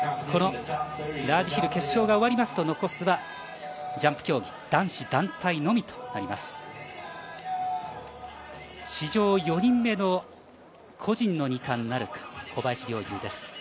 このラージヒル決勝が終わりますと残すはジャンプ競技男子団体のみとなります。